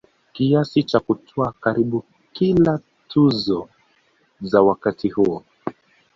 kiasi cha kutwaa karibu kila tuzo za wakati huo